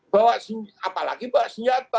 bawa apalagi bawa senjata